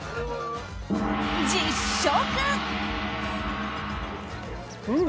実食！